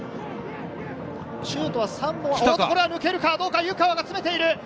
シュートは３本、これは抜けるかどうか、湯川が詰めている。